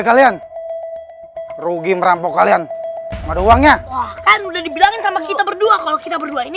kalian rugi merampok kalian ada uangnya kan udah dibilangin sama kita berdua kalau kita berdua ini